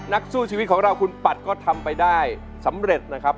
นักสู้ชีวิตของเราคุณปัดก็ทำไปได้สำเร็จนะครับ